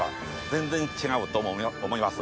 全然違うと思います。